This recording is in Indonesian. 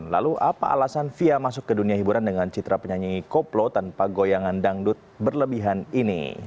lalu apa alasan fia masuk ke dunia hiburan dengan citra penyanyi koplo tanpa goyangan dangdut berlebihan ini